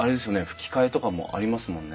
ふき替えとかもありますもんね。